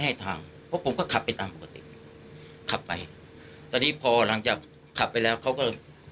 ให้ทางเพราะผมก็ขับไปตามปกติขับไปตอนนี้พอหลังจากขับไปแล้วเขาก็